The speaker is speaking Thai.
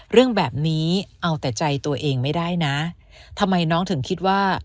เรื่องแบบนี้เอาแต่ใจตัวเองไม่ได้นะทำไมน้องถึงคิดว่า